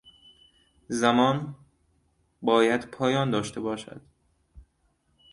زمان... باید پایان داشته باشد.